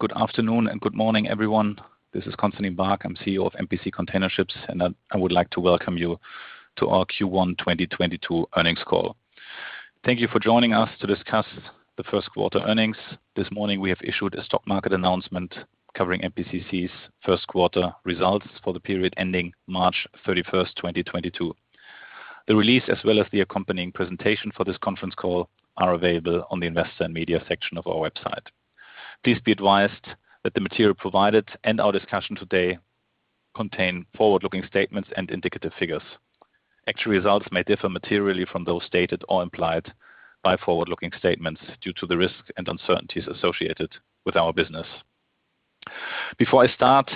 Good afternoon and good morning, everyone. This is Constantin Baack, I'm CEO of MPC Container Ships, and I would like to welcome you to our Q1 2022 earnings call. Thank you for joining us to discuss the first quarter earnings. This morning, we have issued a stock market announcement covering MPCC's first quarter results for the period ending March 31st, 2022. The release, as well as the accompanying presentation for this conference call, are available on the investor and media section of our website. Please be advised that the material provided and our discussion today contain forward-looking statements and indicative figures. Actual results may differ materially from those stated or implied by forward-looking statements due to the risks and uncertainties associated with our business. Before I start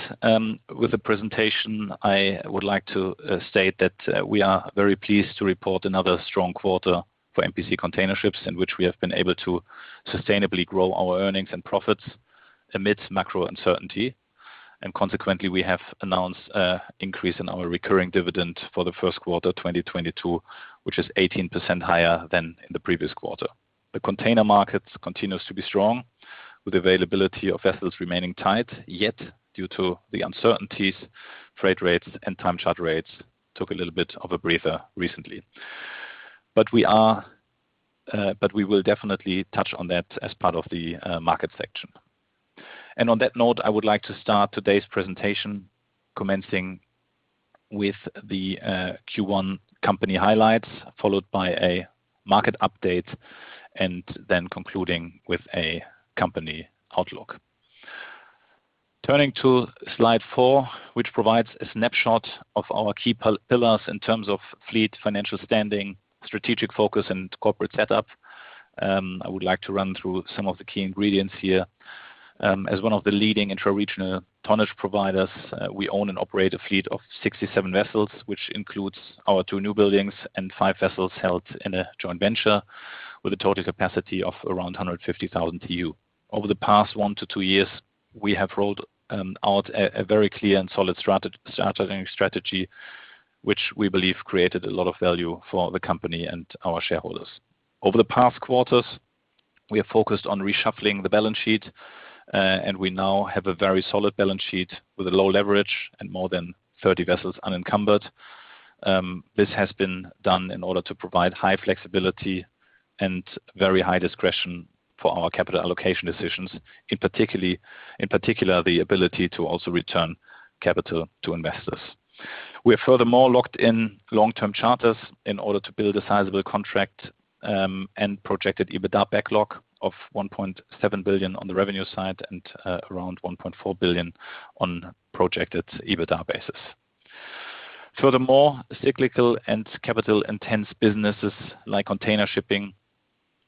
with the presentation, I would like to state that we are very pleased to report another strong quarter for MPC Container Ships in which we have been able to sustainably grow our earnings and profits amidst macro uncertainty. Consequently, we have announced an increase in our recurring dividend for the first quarter 2022, which is 18% higher than in the previous quarter. The container market continues to be strong, with availability of vessels remaining tight, yet due to the uncertainties, freight rates and time charter rates took a little bit of a breather recently. We will definitely touch on that as part of the market section. On that note, I would like to start today's presentation commencing with the Q1 company highlights, followed by a market update and then concluding with a company outlook. Turning to slide four, which provides a snapshot of our key pillars in terms of fleet, financial standing, strategic focus, and corporate setup. I would like to run through some of the key ingredients here. As one of the leading intra-regional tonnage providers, we own and operate a fleet of 67 vessels, which includes our two new buildings and five vessels held in a joint venture with a total capacity of around 150,000 TEU. Over the past one to two years, we have rolled out a very clear and solid strategy, which we believe created a lot of value for the company and our shareholders. Over the past quarters, we are focused on reshuffling the balance sheet, and we now have a very solid balance sheet with a low leverage and more than 30 vessels unencumbered. This has been done in order to provide high flexibility and very high discretion for our capital allocation decisions, in particular, the ability to also return capital to investors. We are furthermore locked in long-term charters in order to build a sizable contract, and projected EBITDA backlog of $1.7 billion on the revenue side and around $1.4 billion on projected EBITDA basis. Furthermore, cyclical and capital-intense businesses like container shipping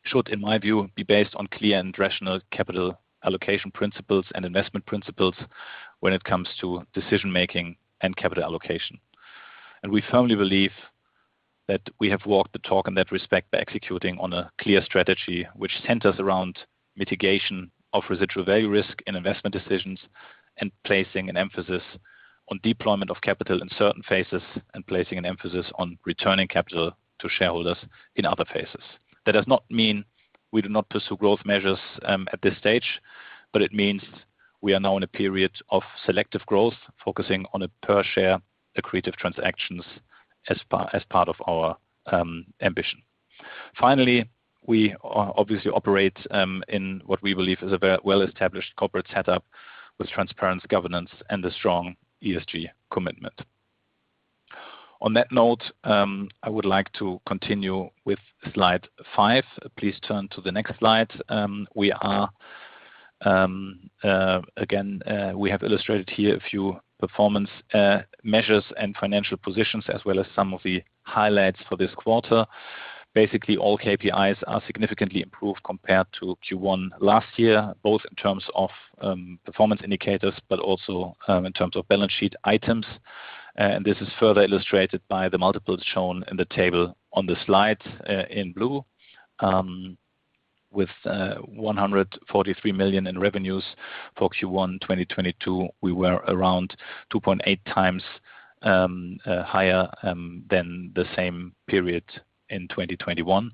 should, in my view, be based on clear and rational capital allocation principles and investment principles when it comes to decision-making and capital allocation. We firmly believe that we have walked the talk in that respect by executing on a clear strategy which centers around mitigation of residual value risk in investment decisions and placing an emphasis on deployment of capital in certain phases and placing an emphasis on returning capital to shareholders in other phases. That does not mean we do not pursue growth measures at this stage, but it means we are now in a period of selective growth, focusing on a per share accretive transactions as part of our ambition. Finally, we obviously operate in what we believe is a well-established corporate setup with transparent governance and a strong ESG commitment. On that note, I would like to continue with slide five. Please turn to the next slide. Again, we have illustrated here a few performance measures and financial positions, as well as some of the highlights for this quarter. Basically, all KPIs are significantly improved compared to Q1 last year, both in terms of performance indicators, but also in terms of balance sheet items. This is further illustrated by the multiples shown in the table on the slide in blue. With $143 million in revenues for Q1 2022, we were around 2.8x higher than the same period in 2021.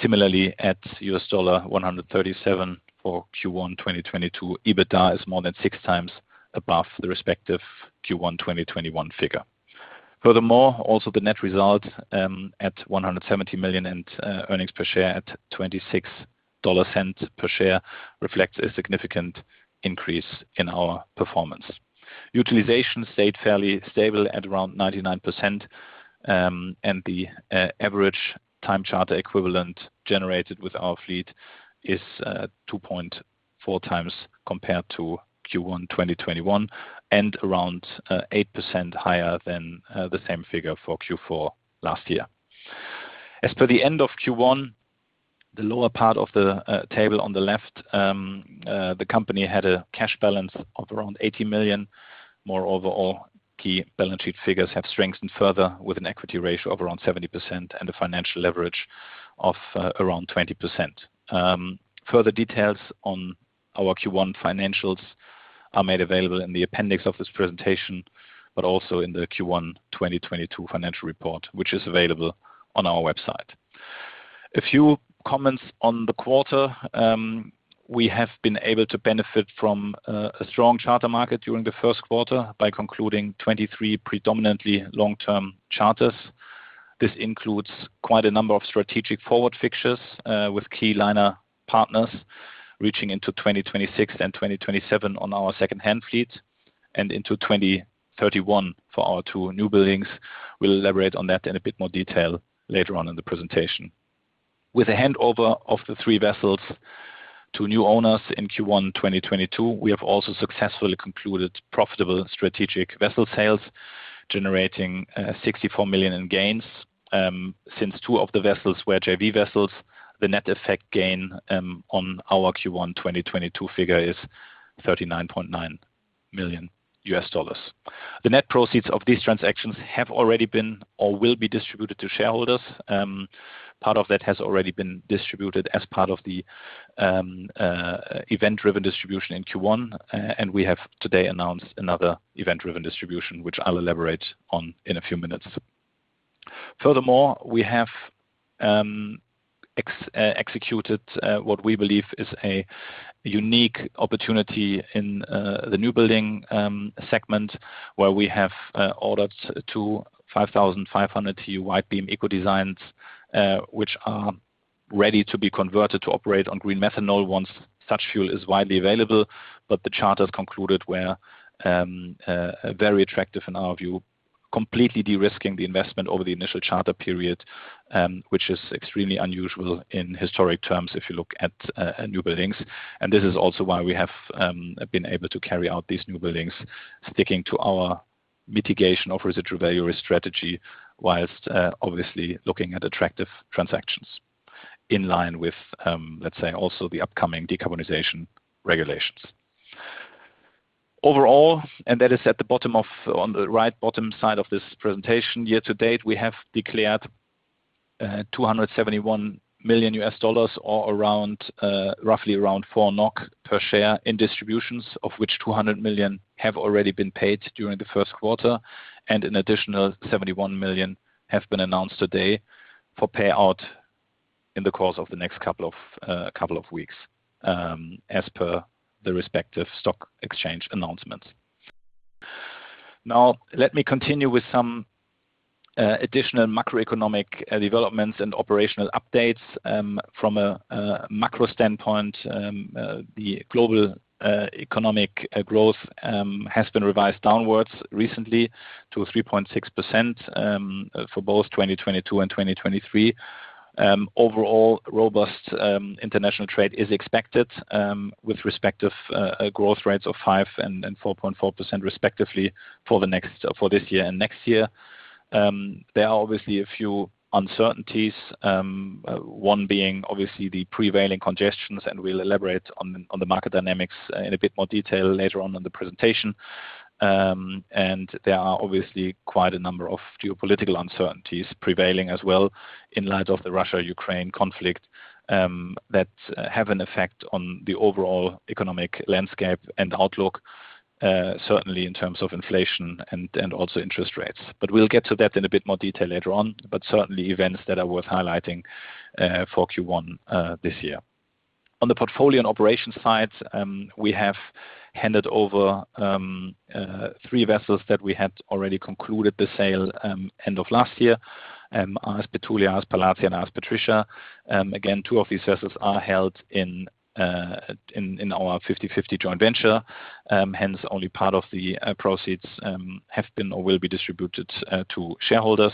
Similarly, at $137 for Q1 2022, EBITDA is more than 6x above the respective Q1 2021 figure. Furthermore, also the net result at $170 million in earnings per share at $0.26 per share reflects a significant increase in our performance. Utilization stayed fairly stable at around 99%, and the average time charter equivalent generated with our fleet is 2.4x compared to Q1 2021 and around 8% higher than the same figure for Q4 last year. As per the end of Q1, the lower part of the table on the left, the company had a cash balance of around $80 million. Moreover, all key balance sheet figures have strengthened further with an equity ratio of around 70% and a financial leverage of around 20%. Further details on our Q1 financials are made available in the appendix of this presentation, but also in the Q1 2022 financial report, which is available on our website. A few comments on the quarter. We have been able to benefit from a strong charter market during the first quarter by concluding 23 predominantly long-term charters. This includes quite a number of strategic forward fixtures with key liner partners reaching into 2026 and 2027 on our second-hand fleet and into 2031 for our two new buildings. We'll elaborate on that in a bit more detail later on in the presentation. With the handover of the three vessels to new owners in Q1 2022, we have also successfully concluded profitable strategic vessel sales, generating $64 million in gains. Since two of the vessels were JV vessels, the net effect gain on our Q1 2022 figure is $39.9 million. The net proceeds of these transactions have already been or will be distributed to shareholders. Part of that has already been distributed as part of the event-driven distribution in Q1, and we have today announced another event-driven distribution, which I'll elaborate on in a few minutes. Furthermore, we have executed what we believe is a unique opportunity in the newbuilding segment where we have ordered two 5,500 wide-beam eco-designs, which are ready to be converted to operate on green methanol once such fuel is widely available. The charters concluded were very attractive in our view, completely de-risking the investment over the initial charter period, which is extremely unusual in historic terms if you look at new buildings. This is also why we have been able to carry out these new buildings, sticking to our mitigation of residual value risk strategy whilst obviously looking at attractive transactions in line with, let's say, also the upcoming decarbonization regulations. Overall, that is at the bottom, on the right bottom side of this presentation. Year to date, we have declared $271 million or around roughly 4 NOK per share in distributions, of which $200 million have already been paid during the first quarter, and an additional $71 million have been announced today for payout in the course of the next couple of weeks, as per the respective stock exchange announcements. Now, let me continue with some additional macroeconomic developments and operational updates from a macro standpoint. The global economic growth has been revised downwards recently to 3.6% for both 2022 and 2023. Overall, robust international trade is expected with respect to growth rates of 5% and 4.4% respectively for this year and next year. There are obviously a few uncertainties, one being obviously the prevailing congestion, and we'll elaborate on the market dynamics in a bit more detail later on in the presentation. There are obviously quite a number of geopolitical uncertainties prevailing as well in light of the Russia-Ukraine conflict, that have an effect on the overall economic landscape and outlook, certainly in terms of inflation and also interest rates. We'll get to that in a bit more detail later on. Certainly events that are worth highlighting for Q1 this year. On the portfolio and operations side, we have handed over three vessels that we had already concluded the sale, end of last year, AS Petulia, AS Palatia, and AS Patricia. Again, two of these vessels are held in our 50/50 joint venture, hence only part of the proceeds have been or will be distributed to shareholders.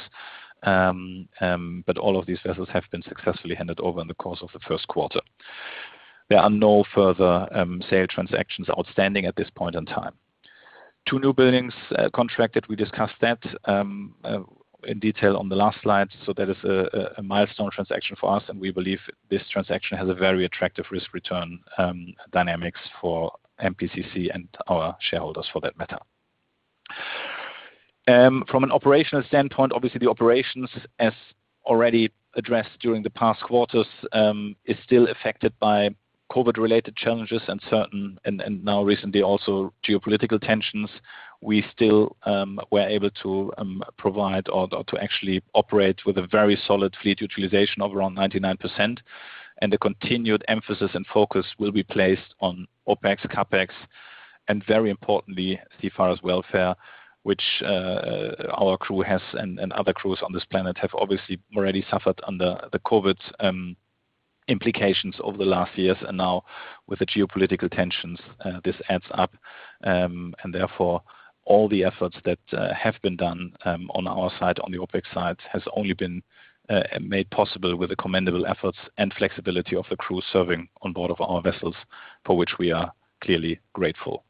All of these vessels have been successfully handed over in the course of the first quarter. There are no further sale transactions outstanding at this point in time. Two new buildings contracted. We discussed that in detail on the last slide. That is a milestone transaction for us, and we believe this transaction has a very attractive risk-return dynamics for MPCC and our shareholders for that matter. From an operational standpoint, obviously the operations, as already addressed during the past quarters, is still affected by COVID-related challenges and certain and now recently also geopolitical tensions. We still were able to actually operate with a very solid fleet utilization of around 99%. The continued emphasis and focus will be placed on OpEx, CapEx, and very importantly, seafarers' welfare, which our crew has and other crews on this planet have obviously already suffered under the COVID implications over the last years. Now with the geopolitical tensions, this adds up. Therefore, all the efforts that have been done on our side, on the OpEx side, has only been made possible with the commendable efforts and flexibility of the crew serving on board of our vessels, for which we are clearly grateful.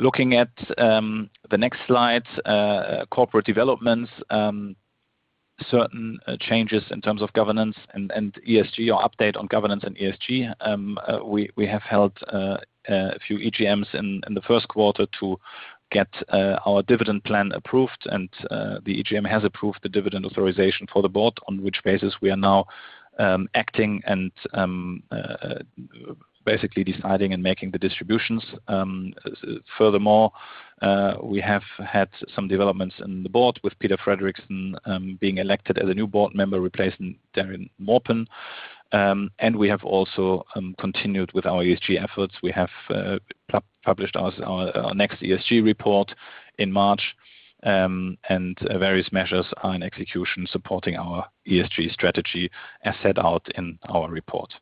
Looking at the next slide, corporate developments, certain changes in terms of governance and ESG or update on governance and ESG. We have held a few EGMs in the first quarter to get our dividend plan approved. The EGM has approved the dividend authorization for the board on which basis we are now acting and basically deciding and making the distributions. Furthermore, we have had some developments in the board with Peter Frederiksen being elected as a new board member, replacing Darren Maupin. We have also continued with our ESG efforts. We have published our next ESG report in March, and various measures are in execution supporting our ESG strategy as set out in our report.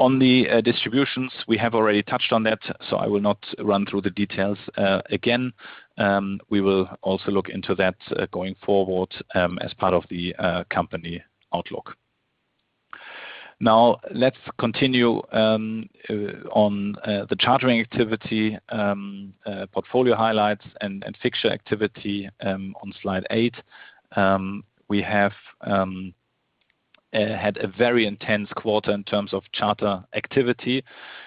On the distributions, we have already touched on that, so I will not run through the details again. We will also look into that going forward, as part of the company outlook. Now, let's continue on the chartering activity, portfolio highlights and fixture activity on slide eight. We have had a very intense quarter in terms of charter activity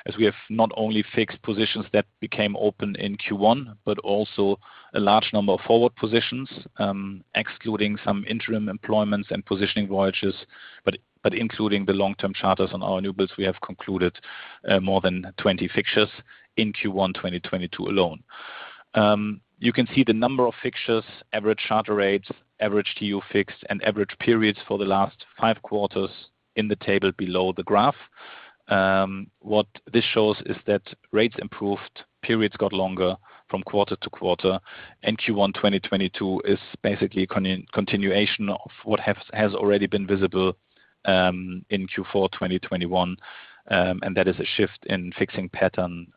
as we have not only fixed positions that became open in Q1, but also a large number of forward positions, excluding some interim employments and positioning voyages, but including the long-term charters on our new builds, we have concluded more than 20 fixtures in Q1 2022 alone. You can see the number of fixtures, average charter rates, average TEU fixed, and average periods for the last 5 quarters in the table below the graph. What this shows is that rates improved, periods got longer from quarter to quarter, and Q1 2022 is basically continuation of what has already been visible in Q4 2021. That is a shift in fixing pattern,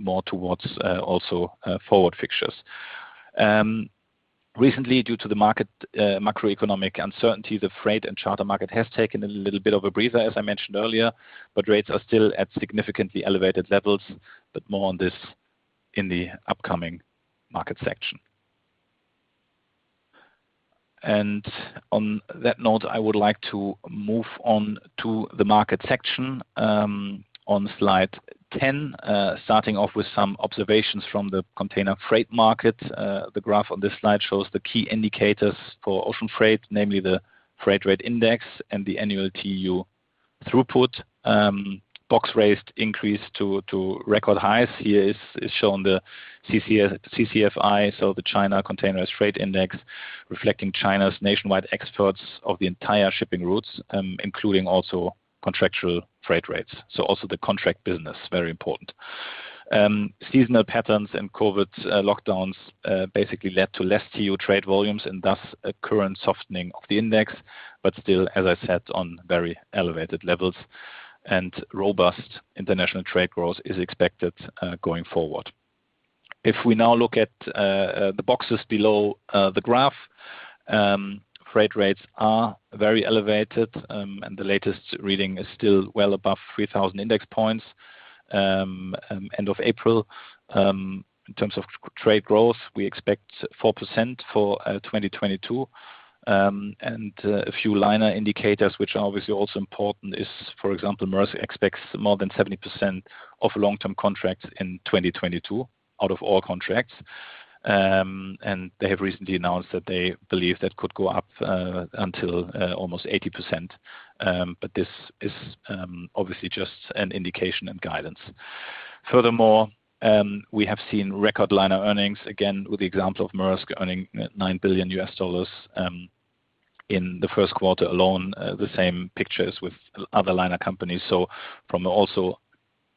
more towards also forward fixtures. Recently, due to the market macroeconomic uncertainty, the freight and charter market has taken a little bit of a breather, as I mentioned earlier, but rates are still at significantly elevated levels, but more on this in the upcoming market section. On that note, I would like to move on to the market section on slide 10. Starting off with some observations from the container freight market. The graph on this slide shows the key indicators for ocean freight, namely the freight rate index and the annual TEU throughput. Box rates increased to record highs. Here is shown the CCFI, so the China Containerized Freight Index, reflecting China's nationwide exports of the entire shipping routes, including also contractual freight rates. So also the contract business, very important. Seasonal patterns and COVID lockdowns basically led to less TEU trade volumes and thus a current softening of the index, but still, as I said, on very elevated levels. Robust international trade growth is expected going forward. If we now look at the boxes below the graph, freight rates are very elevated, and the latest reading is still well above 3,000 index points end of April. In terms of trade growth, we expect 4% for 2022. A few liner indicators, which are obviously also important is, for example, Maersk expects more than 70% of long-term contracts in 2022 out of all contracts. They have recently announced that they believe that could go up until almost 80%. This is obviously just an indication and guidance. Furthermore, we have seen record liner earnings, again, with the example of Maersk earning $9 billion in the first quarter alone. The same picture as with other liner companies. From also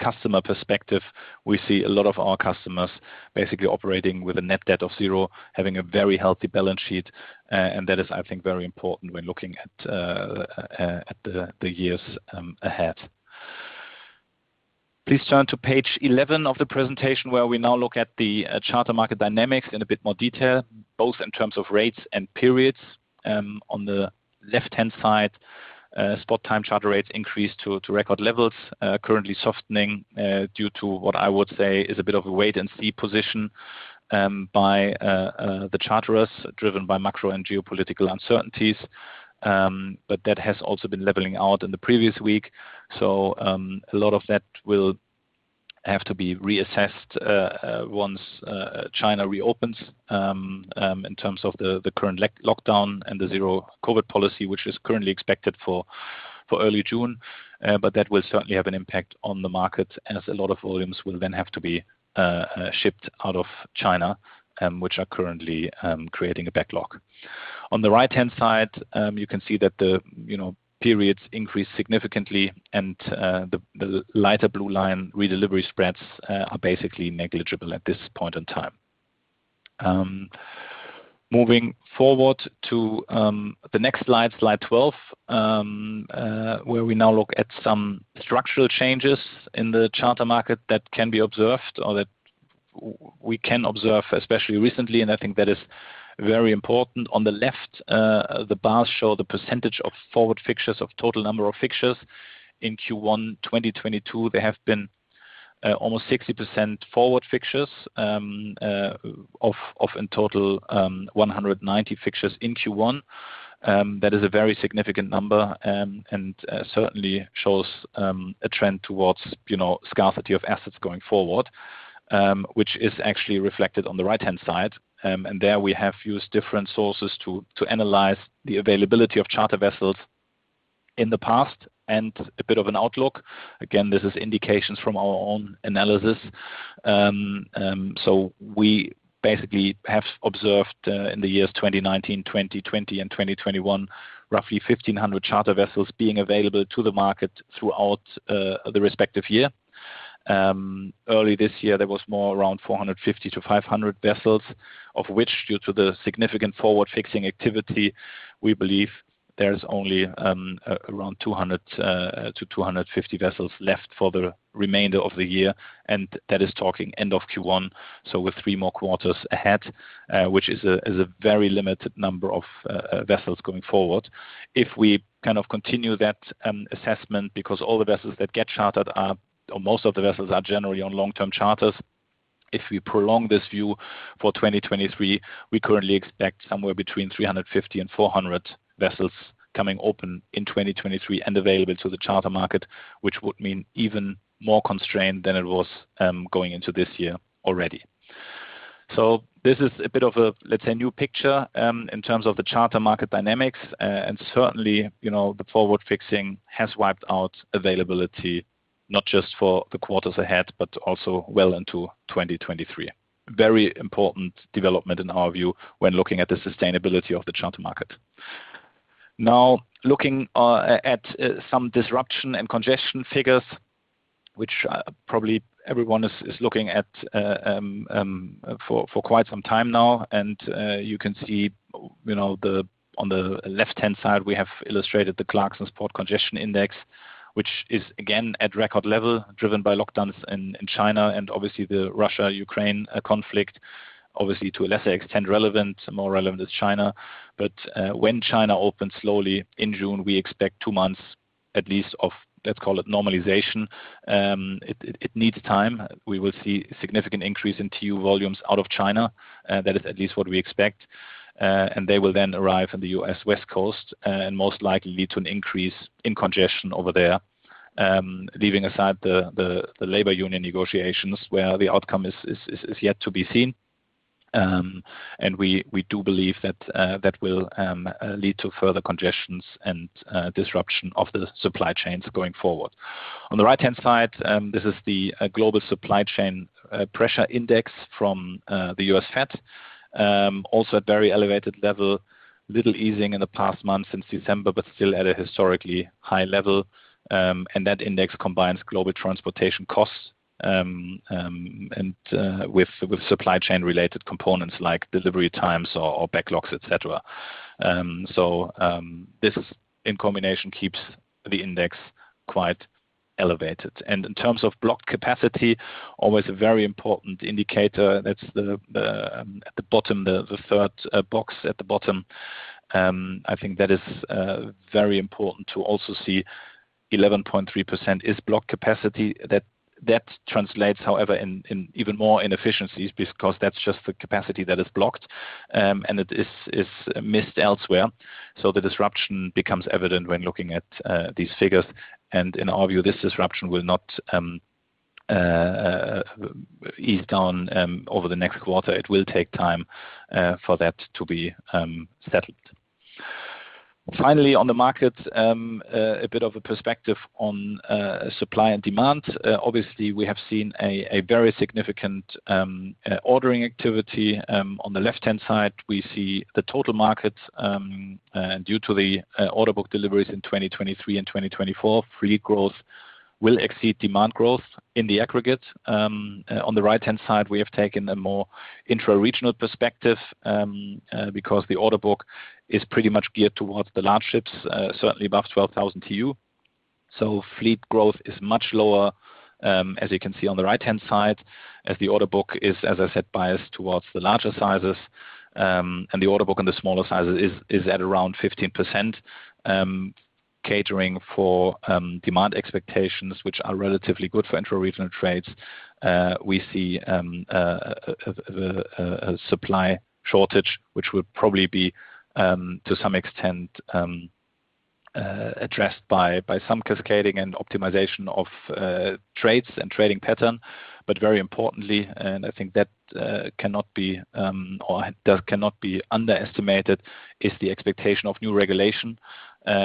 customer perspective, we see a lot of our customers basically operating with a net debt of zero, having a very healthy balance sheet. That is, I think, very important when looking at the years ahead. Please turn to page 11 of the presentation where we now look at the charter market dynamics in a bit more detail, both in terms of rates and periods. On the left-hand side, spot time charter rates increased to record levels. Currently softening due to what I would say is a bit of a wait and see position by the charterers, driven by macro and geopolitical uncertainties. That has also been leveling out in the previous week. A lot of that will have to be reassessed once China reopens in terms of the current lockdown and the zero COVID policy, which is currently expected for early June. That will certainly have an impact on the market as a lot of volumes will then have to be shipped out of China, which are currently creating a backlog. On the right-hand side, you can see that the, you know, periods increased significantly and the lighter blue line redelivery spreads are basically negligible at this point in time. Moving forward to the next slide 12, where we now look at some structural changes in the charter market that can be observed or that we can observe, especially recently, and I think that is very important. On the left, the bars show the percentage of forward fixtures of total number of fixtures. In Q1 2022, there have been almost 60% forward fixtures of in total 190 fixtures in Q1. That is a very significant number, and certainly shows a trend towards, you know, scarcity of assets going forward. Which is actually reflected on the right-hand side. There we have used different sources to analyze the availability of charter vessels in the past, and a bit of an outlook. Again, this is indications from our own analysis. We basically have observed in the years 2019, 2020, and 2021, roughly 1,500 charter vessels being available to the market throughout the respective year. Early this year, there was more around 450-500 vessels, of which, due to the significant forward fixing activity, we believe there is only around 200-250 vessels left for the remainder of the year. That is talking end of Q1, so with three more quarters ahead, which is a very limited number of vessels going forward. If we kind of continue that assessment because most of the vessels are generally on long-term charters. If we prolong this view for 2023, we currently expect somewhere between 350 and 400 vessels coming open in 2023 and available to the charter market, which would mean even more constrained than it was going into this year already. This is a bit of a, let's say, new picture in terms of the charter market dynamics. Certainly, you know, the forward fixing has wiped out availability, not just for the quarters ahead, but also well into 2023. Very important development in our view when looking at the sustainability of the charter market. Now, looking at some disruption and congestion figures, which probably everyone is looking at for quite some time now. You can see, you know, on the left-hand side, we have illustrated the Clarksons Port Congestion Index, which is again at record level driven by lockdowns in China and obviously the Russia-Ukraine conflict, obviously to a lesser extent relevant, more relevant is China. When China opens slowly in June, we expect two months at least of, let's call it normalization. It needs time. We will see significant increase in TEU volumes out of China, that is at least what we expect. They will then arrive in the U.S. West Coast, and most likely lead to an increase in congestion over there. Leaving aside the labor union negotiations where the outcome is yet to be seen. We do believe that that will lead to further congestions and disruption of the supply chains going forward. On the right-hand side, this is the Global Supply Chain Pressure Index from the U.S. Fed. Also at very elevated level, little easing in the past month since December, but still at a historically high level. That index combines global transportation costs and with supply chain related components like delivery times or backlogs, et cetera. This in combination keeps the index quite elevated. In terms of blocked capacity, always a very important indicator. That's at the bottom, the third box at the bottom. I think that is very important to also see 11.3% is blocked capacity. That translates, however, in even more inefficiencies because that's just the capacity that is blocked, and it is missed elsewhere. The disruption becomes evident when looking at these figures. In our view, this disruption will not ease down over the next quarter. It will take time for that to be settled. Finally, on the markets, a bit of a perspective on supply and demand. Obviously, we have seen a very significant ordering activity. On the left-hand side, we see the total markets due to the order book deliveries in 2023 and 2024. Fleet growth will exceed demand growth in the aggregate. On the right-hand side, we have taken a more intra-regional perspective because the order book is pretty much geared towards the large ships certainly above 12,000 TEU. Fleet growth is much lower, as you can see on the right-hand side, as the order book is, as I said, biased towards the larger sizes. The order book on the smaller sizes is at around 15%, catering for demand expectations, which are relatively good for intra-regional trades. We see a supply shortage, which would probably be to some extent addressed by some cascading and optimization of trades and trading pattern. Very importantly, I think that cannot be underestimated is the expectation of new regulation.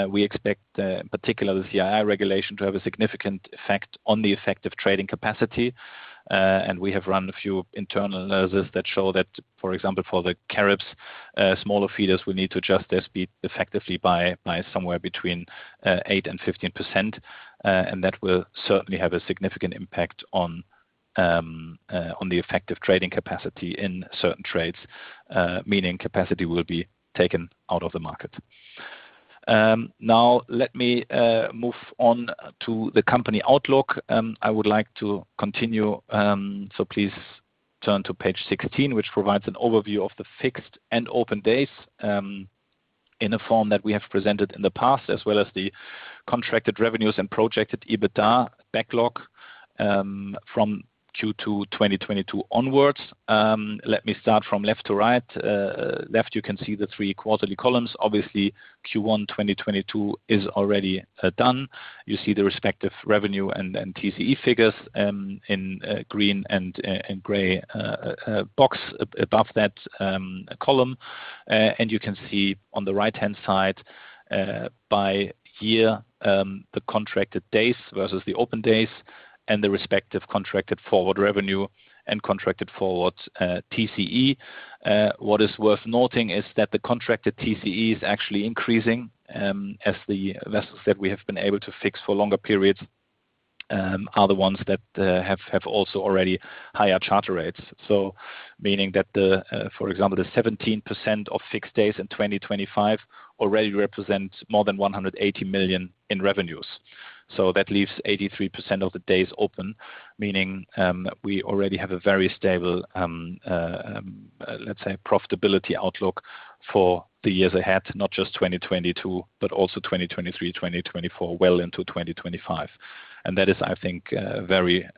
We expect in particular the CII regulation to have a significant effect on the effective trading capacity. We have run a few internal analysis that show that, for example, for the Caribbean, smaller feeders will need to adjust their speed effectively by somewhere between 8%-15%. That will certainly have a significant impact on the effective trading capacity in certain trades, meaning capacity will be taken out of the market. Now let me move on to the company outlook. I would like to continue, please turn to page 16, which provides an overview of the fixed and open days, in a form that we have presented in the past, as well as the contracted revenues and projected EBITDA backlog, from Q2 2022 onwards. Let me start from left to right. On the left you can see the three quarterly columns. Obviously Q1 2022 is already done. You see the respective revenue and TCE figures in green and gray box above that column. You can see on the right-hand side by year the contracted days versus the open days and the respective contracted forward revenue and contracted forward TCE. What is worth noting is that the contracted TCE is actually increasing as the vessels that we have been able to fix for longer periods are the ones that have also already higher charter rates. Meaning that for example the 17% of fixed days in 2025 already represent more than $180 million in revenues. That leaves 83% of the days open, meaning we already have a very stable, let's say, profitability outlook for the years ahead, not just 2022, but also 2023, 2024, well into 2025. That is, I think, very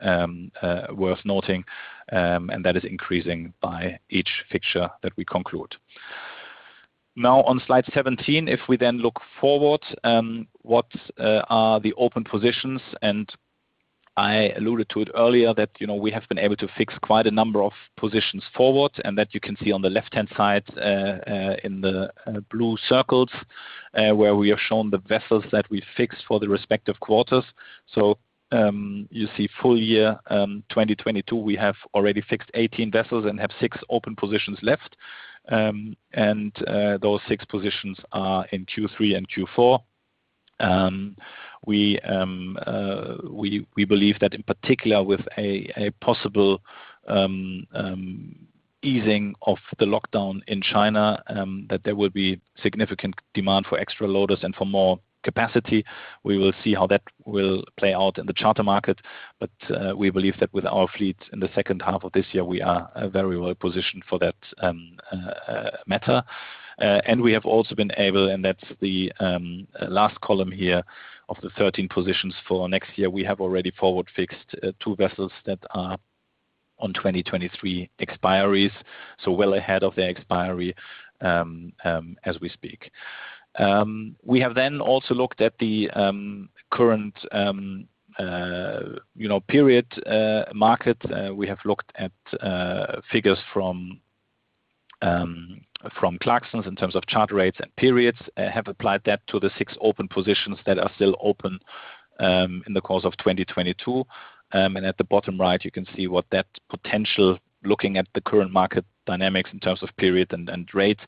worth noting, and that is increasing by each fixture that we conclude. Now on slide 17, if we then look forward, what are the open positions? I alluded to it earlier that, you know, we have been able to fix quite a number of positions forward, and that you can see on the left-hand side, in the blue circles, where we have shown the vessels that we fixed for the respective quarters. You see full year 2022, we have already fixed 18 vessels and have six open positions left. Those six positions are in Q3 and Q4. We believe that in particular with a possible easing of the lockdown in China, that there will be significant demand for extra loaders and for more capacity. We will see how that will play out in the charter market. We believe that with our fleet in the second half of this year, we are very well positioned for that matter. We have also been able, and that's the last column here of the 13 positions for next year. We have already forward fixed two vessels that are on 2023 expiries, so well ahead of their expiry as we speak. We have then also looked at the current you know period market. We have looked at figures from Clarksons in terms of charter rates and periods have applied that to the six open positions that are still open in the course of 2022. At the bottom right, you can see what that potential, looking at the current market dynamics in terms of period and rates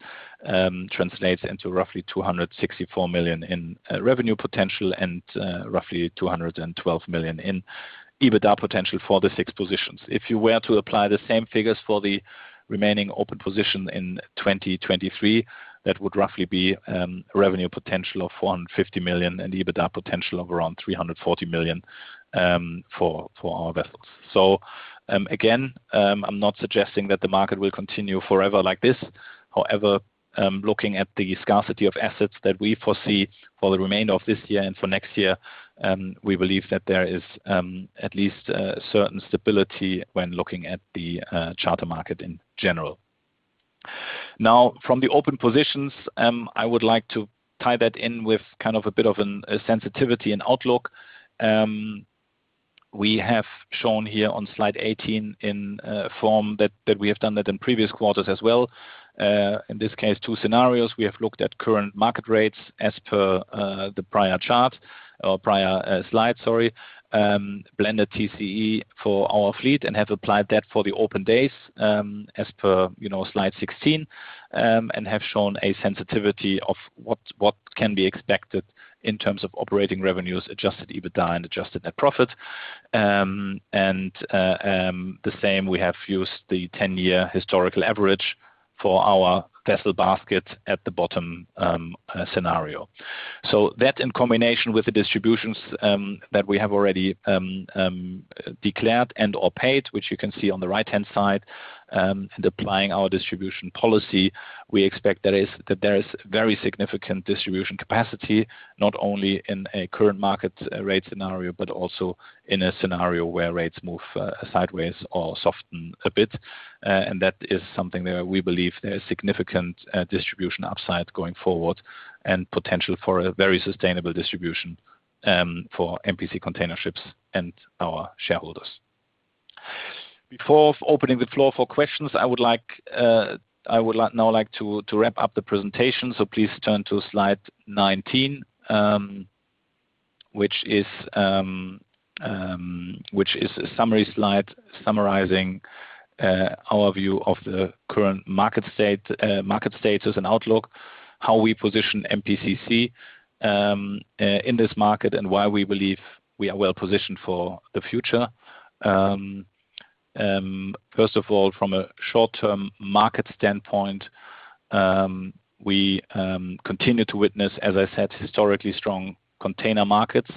translates into roughly $264 million in revenue potential and roughly $212 million in EBITDA potential for the six positions. If you were to apply the same figures for the remaining open position in 2023, that would roughly be revenue potential of $150 million and EBITDA potential of around $340 million for our vessels. Again, I'm not suggesting that the market will continue forever like this. However, looking at the scarcity of assets that we foresee for the remainder of this year and for next year, we believe that there is at least certain stability when looking at the charter market in general. Now from the open positions, I would like to tie that in with kind of a bit of a sensitivity and outlook. We have shown here on slide 18 in form that we have done that in previous quarters as well. In this case, two scenarios. We have looked at current market rates as per the prior slide, blended TCE for our fleet and have applied that for the open days, as per, you know, slide 16, and have shown a sensitivity of what can be expected in terms of operating revenues, adjusted EBITDA and adjusted net profit. The same, we have used the 10-year historical average for our vessel basket at the bottom scenario. That in combination with the distributions that we have already declared and/or paid, which you can see on the right-hand side, and applying our distribution policy, we expect there is very significant distribution capacity, not only in a current market rate scenario, but also in a scenario where rates move sideways or soften a bit. That is something that we believe there is significant distribution upside going forward and potential for a very sustainable distribution for MPC Container Ships and our shareholders. Before opening the floor for questions, I would like to wrap up the presentation. Please turn to slide 19, which is a summary slide summarizing our view of the current market state, market status and outlook, how we position MPCC in this market, and why we believe we are well-positioned for the future. First of all, from a short-term market standpoint, we continue to witness, as I said, historically strong container markets,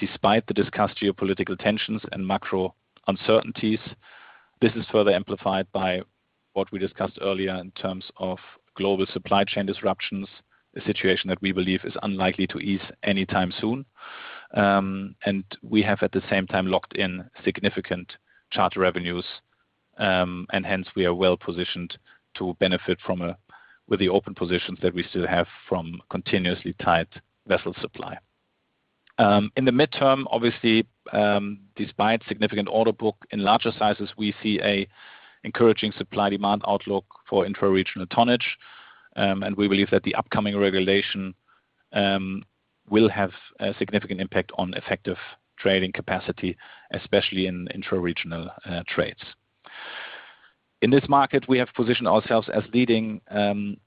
despite the discussed geopolitical tensions and macro uncertainties. This is further amplified by what we discussed earlier in terms of global supply chain disruptions, a situation that we believe is unlikely to ease anytime soon. We have, at the same time, locked in significant charter revenues, and hence we are well-positioned to benefit from the open positions that we still have from continuously tight vessel supply. In the midterm, obviously, despite significant order book in larger sizes, we see an encouraging supply-demand outlook for intra-regional tonnage. We believe that the upcoming regulation will have a significant impact on effective trading capacity, especially in intra-regional trades. In this market, we have positioned ourselves as leading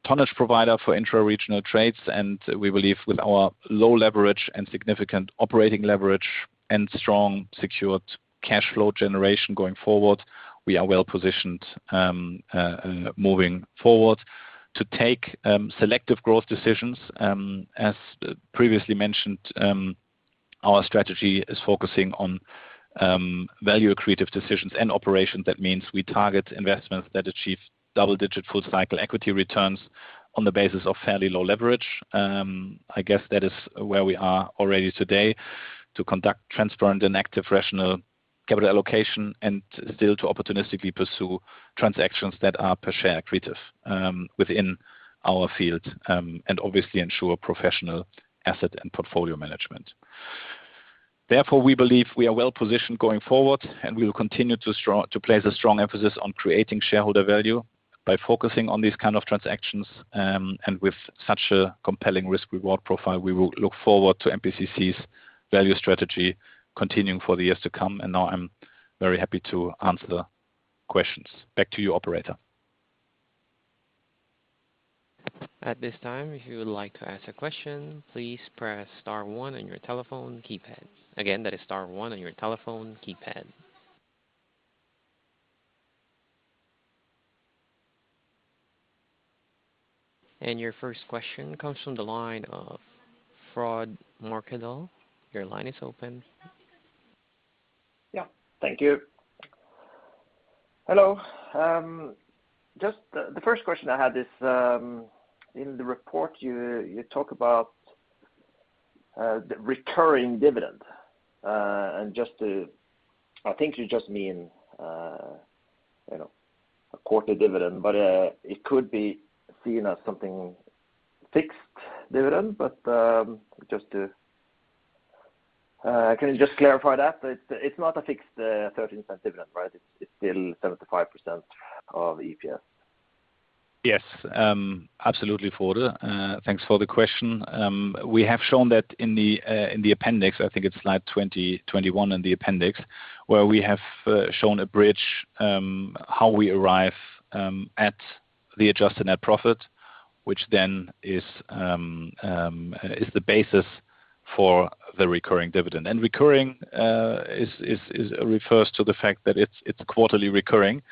tonnage provider for intra-regional trades, and we believe with our low leverage and significant operating leverage and strong secured cash flow generation going forward, we are well-positioned moving forward to take selective growth decisions. As previously mentioned, our strategy is focusing on value-accretive decisions and operations. That means we target investments that achieve double-digit full-cycle equity returns on the basis of fairly low leverage. I guess that is where we are already today to conduct transparent and active rational capital allocation and still to opportunistically pursue transactions that are per share accretive, within our field, and obviously ensure professional asset and portfolio management. Therefore, we believe we are well-positioned going forward, and we will continue to place a strong emphasis on creating shareholder value by focusing on these kind of transactions. With such a compelling risk/reward profile, we will look forward to MPCC's value strategy continuing for the years to come, and now I'm very happy to answer questions. Back to you, operator. At this time, if you would like to ask a question, please press star one on your telephone keypad. Again, that is star one on your telephone keypad. Your first question comes from the line of Frode Mørkedal. Your line is open. Yeah. Thank you. Hello. Just the first question I had is in the report you talk about the recurring dividend. I think you just mean you know a quarterly dividend but it could be seen as a fixed dividend. Can you just clarify that? It's not a fixed $0.30 dividend right? It's still 75% of EPS. Yes. Absolutely, Frode. Thanks for the question. We have shown that in the appendix. I think it's slide 20, 21 in the appendix, where we have shown a bridge how we arrive at the adjusted net profit, which then is the basis for the recurring dividend. Recurring refers to the fact that it's quarterly recurring,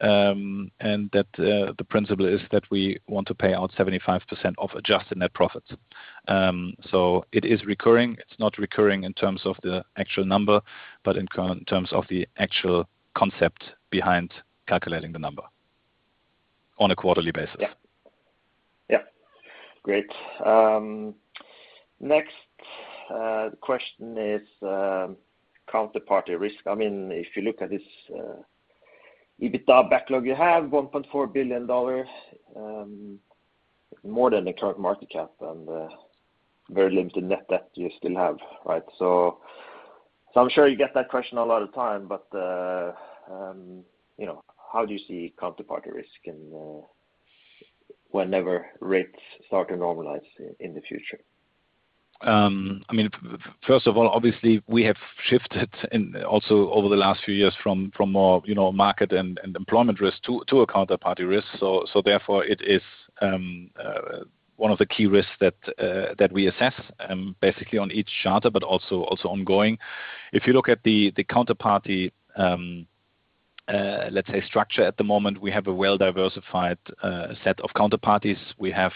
and that the principle is that we want to pay out 75% of adjusted net profits. So it is recurring. It's not recurring in terms of the actual number, but in terms of the actual concept behind calculating the number on a quarterly basis. Yeah. Yeah. Great. Next question is counterparty risk. I mean, if you look at this EBITDA backlog, you have $1.4 billion more than the current market cap and very limited net debt you still have, right? I'm sure you get that question a lot of the time, but you know, how do you see counterparty risk and whenever rates start to normalize in the future? I mean, first of all, obviously we have shifted in also over the last few years from more, you know, market and employment risk to a counterparty risk. Therefore it is one of the key risks that we assess basically on each charter, but also ongoing. If you look at the counterparty, let's say, structure at the moment, we have a well-diversified set of counterparties. We have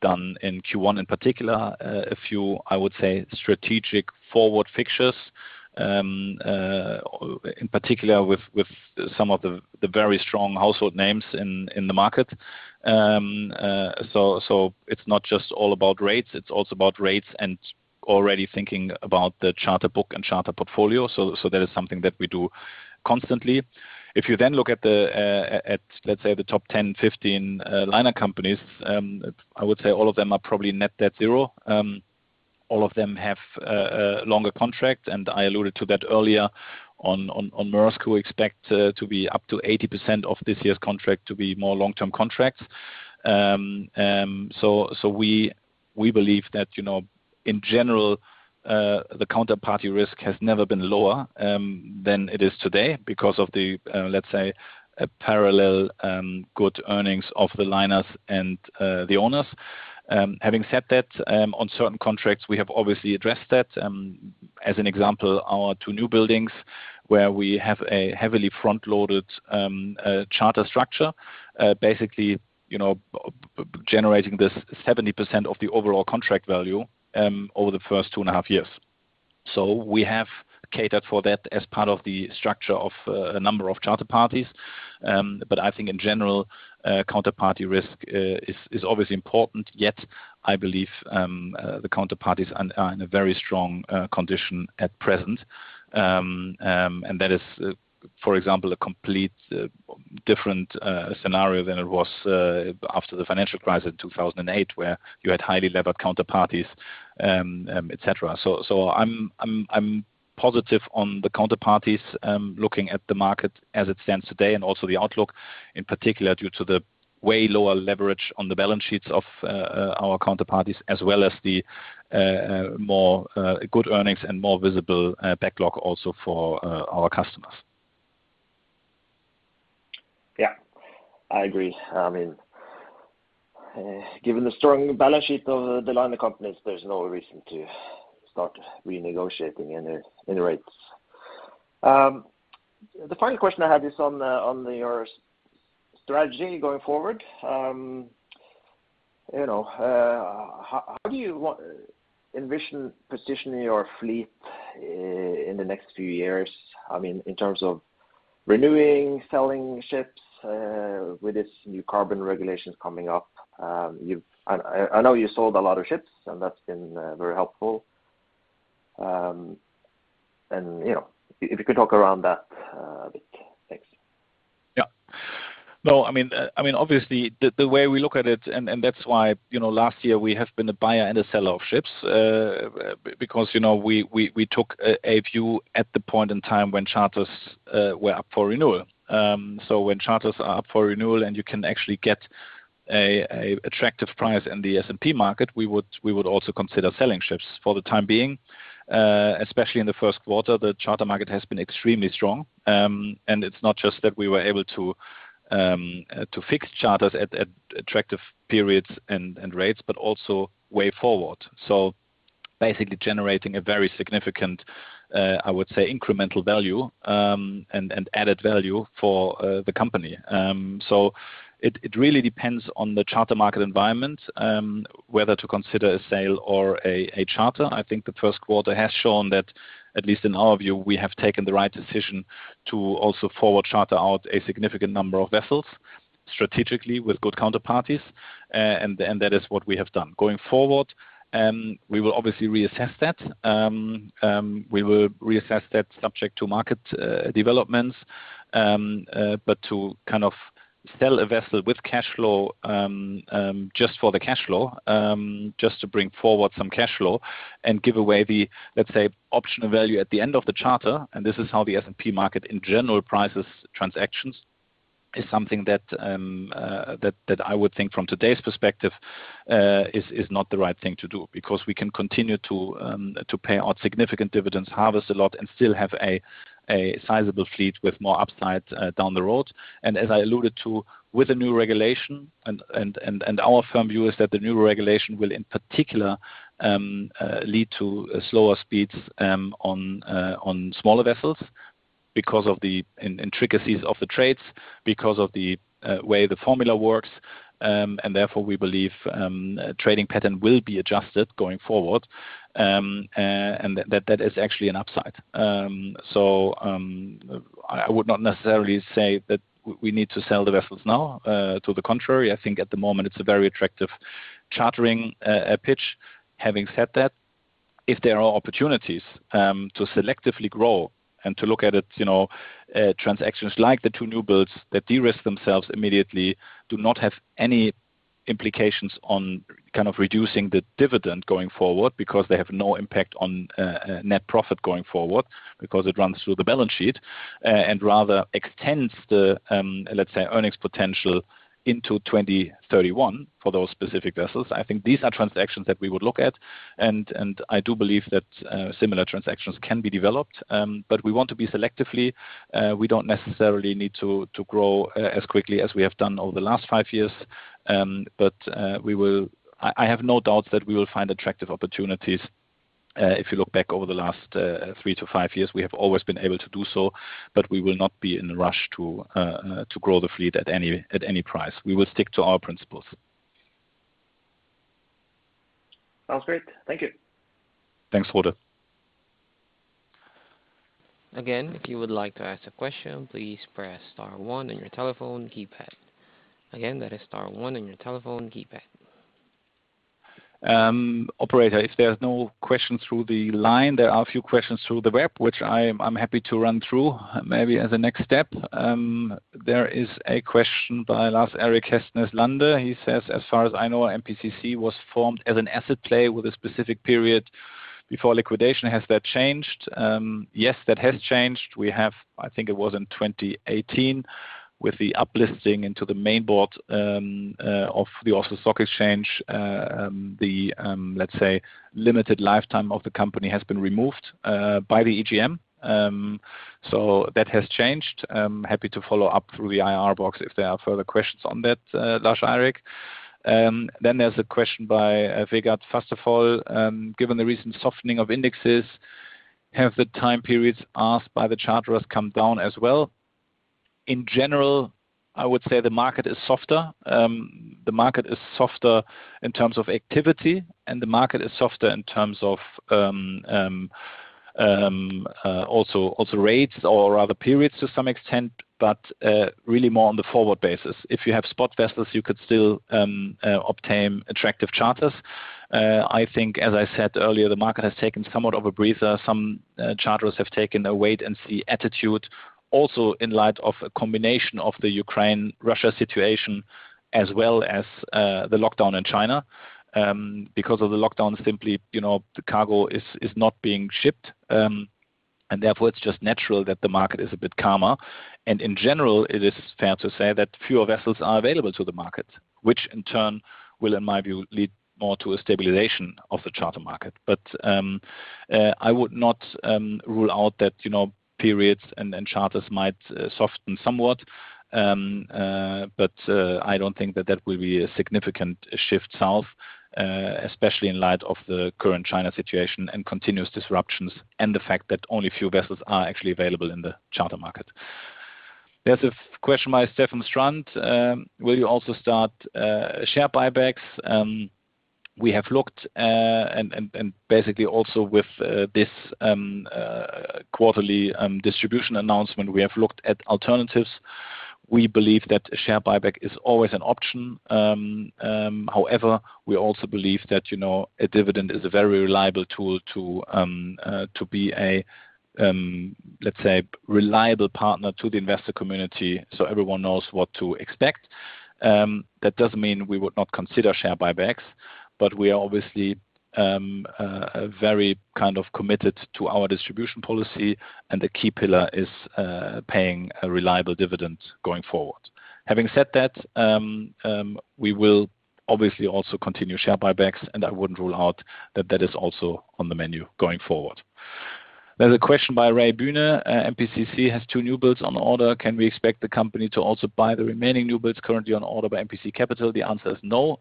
done in Q1 in particular a few, I would say, strategic forward fixtures in particular with some of the very strong household names in the market. It's not just all about rates, it's also about rates and already thinking about the charter book and charter portfolio. That is something that we do constantly. If you then look at the, let's say, the top 10, 15 liner companies, I would say all of them are probably net debt zero. All of them have longer contracts, and I alluded to that earlier on Maersk, who expect to be up to 80% of this year's contract to be more long-term contracts. We believe that, you know, in general, the counterparty risk has never been lower than it is today because of the, let's say, a parallel good earnings of the liners and the owners. Having said that, on certain contracts, we have obviously addressed that. As an example, our two new buildings where we have a heavily front-loaded charter structure, basically, you know, generating this 70% of the overall contract value over the first 2.5 years. We have catered for that as part of the structure of a number of charter parties. I think in general, counterparty risk is obviously important, yet I believe the counterparties are in a very strong condition at present. That is, for example, a completely different scenario than it was after the financial crisis in 2008, where you had highly levered counterparties, et cetera. I'm positive on the counterparties, looking at the market as it stands today and also the outlook in particular, due to the way lower leverage on the balance sheets of our counterparties, as well as the more good earnings and more visible backlog also for our customers. Yeah, I agree. I mean, given the strong balance sheet of the liner companies, there's no reason to start renegotiating any rates. The final question I have is on your strategy going forward. You know, how do you envision positioning your fleet in the next few years? I mean, in terms of renewing, selling ships, with this new carbon regulations coming up, I know you sold a lot of ships and that's been very helpful. You know, if you could talk around that a bit. Thanks. No, I mean, obviously the way we look at it and that's why, you know, last year we have been a buyer and a seller of ships, because, you know, we took a view at the point in time when charters were up for renewal. When charters are up for renewal and you can actually get an attractive price in the S&P market, we would also consider selling ships for the time being. Especially in the first quarter, the charter market has been extremely strong. It's not just that we were able to to fix charters at attractive periods and rates, but also way forward. Basically generating a very significant, I would say, incremental value and added value for the company. It really depends on the charter market environment, whether to consider a sale or a charter. I think the first quarter has shown that at least in our view, we have taken the right decision to also forward charter out a significant number of vessels strategically with good counterparties. That is what we have done. Going forward, we will obviously reassess that subject to market developments. To kind of sell a vessel with cash flow just for the cash flow just to bring forward some cash flow and give away the, let's say, optional value at the end of the charter, and this is how the S&P market in general prices transactions, is something that I would think from today's perspective is not the right thing to do. Because we can continue to pay out significant dividends, harvest a lot, and still have a sizable fleet with more upside down the road. As I alluded to with the new regulation, our firm view is that the new regulation will in particular lead to slower speeds on smaller vessels because of the intricacies of the trades, because of the way the formula works. Therefore we believe trading pattern will be adjusted going forward. That is actually an upside. I would not necessarily say that we need to sell the vessels now. To the contrary, I think at the moment it's a very attractive chartering pitch. Having said that, if there are opportunities to selectively grow and to look at it, you know, transactions like the two new builds that de-risk themselves immediately do not have any implications on kind of reducing the dividend going forward because they have no impact on net profit going forward because it runs through the balance sheet and rather extends the, let's say, earnings potential into 2031 for those specific vessels. I think these are transactions that we would look at and I do believe that similar transactions can be developed. We want to be selective. We don't necessarily need to grow as quickly as we have done over the last 5 years. I have no doubts that we will find attractive opportunities. If you look back over the last three to five years, we have always been able to do so, but we will not be in a rush to grow the fleet at any price. We will stick to our principles. Sounds great. Thank you. Thanks, Frode. Again, if you would like to ask a question, please press star one on your telephone keypad. Again, that is star one on your telephone keypad. Operator, if there are no questions through the line, there are a few questions through the web, which I'm happy to run through maybe as a next step. There is a question by Lars Erik Hessnes. He says, as far as I know, MPCC was formed as an asset play with a specific period before liquidation. Has that changed? Yes, that has changed. We have, I think it was in 2018 with the up-listing into the main board of the Oslo Stock Exchange. The, let's say limited lifetime of the company has been removed by the EGM. So that has changed. I'm happy to follow up through the IR box if there are further questions on that, Lars Erik. There's a question by Vegard Fjellheim. Given the recent softening of indexes, have the time periods asked by the charterers come down as well? In general, I would say the market is softer. The market is softer in terms of activity, and the market is softer in terms of also rates or rather periods to some extent, but really more on the forward basis. If you have spot vessels, you could still obtain attractive charters. I think as I said earlier, the market has taken somewhat of a breather. Some charters have taken a wait and see attitude also in light of a combination of the Ukraine-Russia situation as well as the lockdown in China. Because of the lockdown, simply, you know, the cargo is not being shipped. Therefore it's just natural that the market is a bit calmer. In general, it is fair to say that fewer vessels are available to the market, which in turn will, in my view, lead more to a stabilization of the charter market. I would not rule out that, you know, periods and charters might soften somewhat. I don't think that will be a significant shift south, especially in light of the current China situation and continuous disruptions and the fact that only a few vessels are actually available in the charter market. There's a question by Stefan Strand. Will you also start share buybacks? We have looked and basically also with this quarterly distribution announcement, we have looked at alternatives. We believe that a share buyback is always an option. However, we also believe that, you know, a dividend is a very reliable tool to be a, let's say, reliable partner to the investor community so everyone knows what to expect. That doesn't mean we would not consider share buybacks, but we are obviously very kind of committed to our distribution policy, and the key pillar is paying a reliable dividend going forward. Having said that, we will obviously also continue share buybacks, and I wouldn't rule out that is also on the menu going forward. There's a question by Raymon Burnier. MPCC has two new builds on order. Can we expect the company to also buy the remaining new builds currently on order by MPC Capital? The answer is no.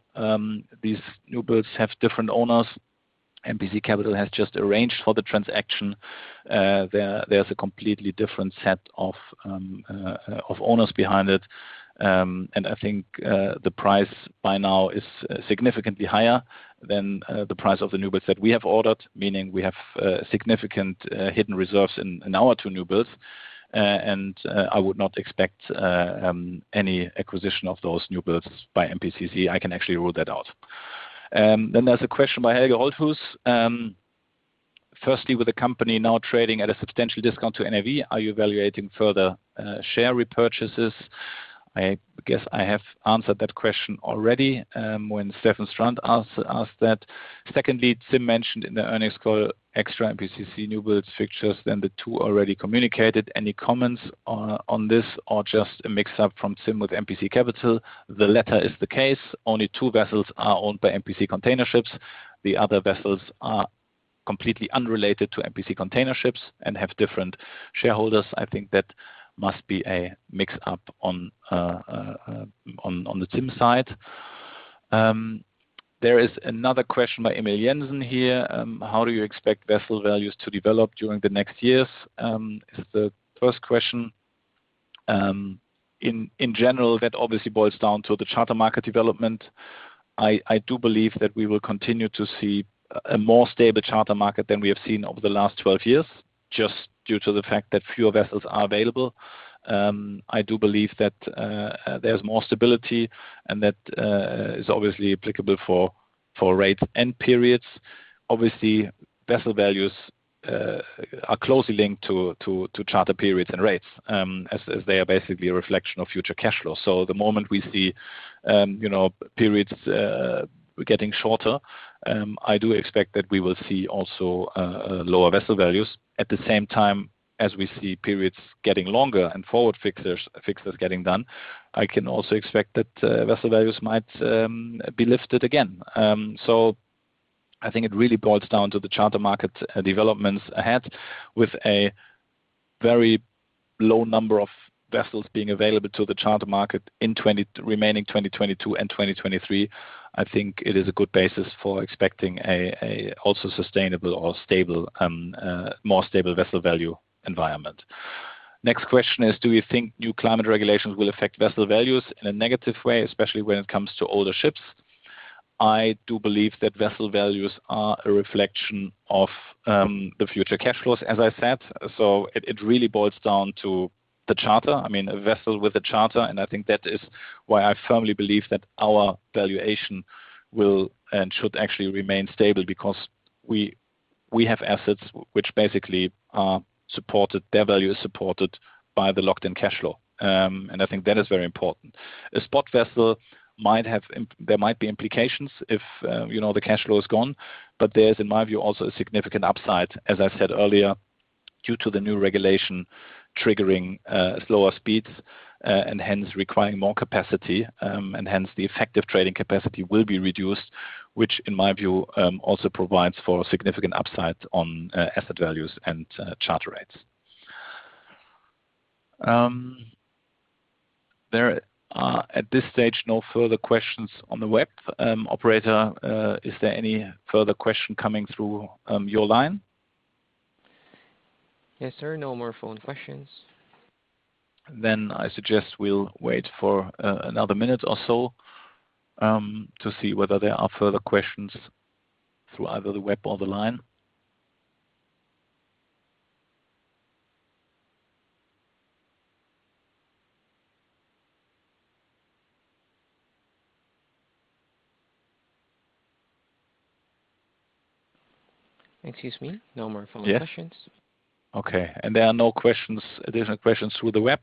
These new builds have different owners. MPC Capital has just arranged for the transaction. There's a completely different set of owners behind it. I think the price by now is significantly higher than the price of the new builds that we have ordered, meaning we have significant hidden reserves in our two new builds. I would not expect any acquisition of those new builds by MPCC. I can actually rule that out. There's a question by Helge André Martinsen. Firstly, with the company now trading at a substantial discount to NAV, are you evaluating further share repurchases? I guess I have answered that question already when Stefan Strand asked that. Secondly, Tim mentioned in the earnings call extra MPCC new builds fixtures than the two already communicated. Any comments on this or just a mix-up from Tim with MPC Capital? The latter is the case. Only two vessels are owned by MPC Container Ships. The other vessels are completely unrelated to MPC Container Ships and have different shareholders. I think that must be a mix-up on the Tim side. There is another question by Mikkel Emil Jensen here. How do you expect vessel values to develop during the next years? In general, that obviously boils down to the charter market development. I do believe that we will continue to see a more stable charter market than we have seen over the last 12 years, just due to the fact that fewer vessels are available. I do believe that there's more stability and that is obviously applicable for rates and periods. Obviously, vessel values are closely linked to charter periods and rates, as they are basically a reflection of future cash flow. The moment we see, you know, periods getting shorter, I do expect that we will see also lower vessel values. At the same time, as we see periods getting longer and forward fixtures getting done, I can also expect that vessel values might be lifted again. I think it really boils down to the charter market developments ahead with a very low number of vessels being available to the charter market in the remaining 2022 and 2023. I think it is a good basis for expecting also sustainable or stable, more stable vessel value environment. Next question is, do you think new climate regulations will affect vessel values in a negative way, especially when it comes to older ships? I do believe that vessel values are a reflection of the future cash flows, as I said. It really boils down to the charter. I mean, a vessel with a charter, and I think that is why I firmly believe that our valuation will and should actually remain stable because we have assets which basically are supported. Their value is supported by the locked-in cash flow. I think that is very important. A spot vessel might have there might be implications if you know, the cash flow is gone. There is, in my view, also a significant upside, as I said earlier, due to the new regulation triggering slower speeds, and hence requiring more capacity, and hence the effective trading capacity will be reduced, which in my view, also provides for significant upside on asset values and charter rates. There are at this stage no further questions on the web. Operator, is there any further question coming through your line? Yes, sir. No more phone questions. I suggest we'll wait for another minute or so to see whether there are further questions through either the web or the line. Excuse me. No more phone questions. Yeah. Okay. There are no questions through the web.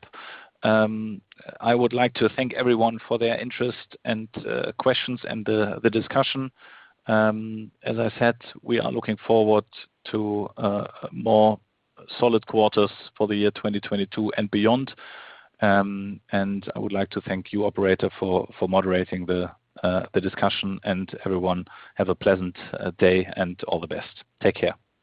I would like to thank everyone for their interest and questions and the discussion. As I said, we are looking forward to more solid quarters for the year 2022 and beyond. I would like to thank you, operator, for moderating the discussion. Everyone, have a pleasant day and all the best. Take care.